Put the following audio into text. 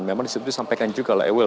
memang disitu disampaikan juga lah ewill